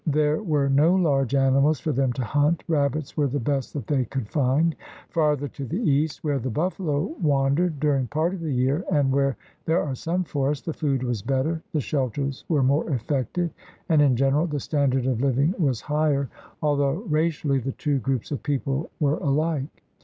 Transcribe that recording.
There were no large animals for them to hunt; rabbits were the best that they could find. Farther to the east, where the buffalo wandered during part of the year and where there are some forests, the food was better, the shelters were more effective, and, in general, the standard of living was higher, although racially the two groups of people were alike.